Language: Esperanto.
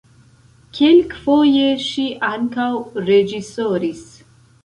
Kelkfoje ŝi ankaŭ reĝisoris.